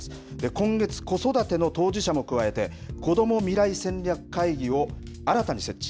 今月、子育ての当事者も加えてこども未来戦略会議を新たに設置。